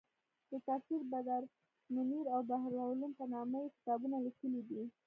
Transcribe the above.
د تفسیر بدرمنیر او بحرالعلوم په نامه یې کتابونه لیکلي دي.